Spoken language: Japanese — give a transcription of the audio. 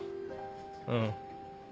うん。